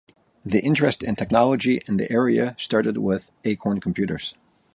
The interest in technology in the area started with Acorn Computers.